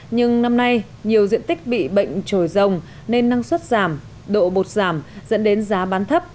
nhưng năm nay nhiều diện tích bị bệnh trồi rồng nên năng suất giảm độ bột giảm dẫn đến giá bán thấp